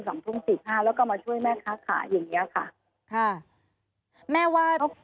สองทุ่มสิบห้าแล้วก็มาช่วยแม่ค้าขายอย่างเงี้ยค่ะค่ะแม่ว่า